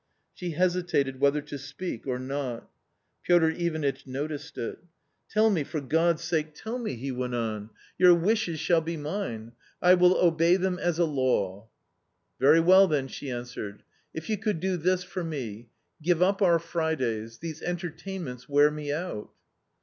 She hesitated whether to speak or not Piotr Ivanitch noticed it A COMMON STORY 271 " Tell me, for God's sake, tell me !" he went on, " your wishes shall be mine, I will obey them as a law." " Very well, then," she answered ;" if you could do this for me .... give up our Fridays .... these entertain ments wear me out."